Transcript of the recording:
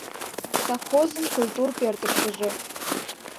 Совхозын культур пӧртыштыжӧ.